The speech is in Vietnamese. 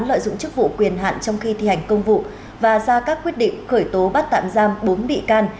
lợi dụng chức vụ quyền hạn trong khi thi hành công vụ và ra các quyết định khởi tố bắt tạm giam bốn bị can